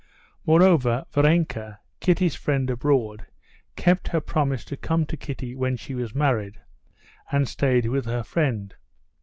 Moreover, Varenka, Kitty's friend abroad, kept her promise to come to Kitty when she was married, and stayed with her friend.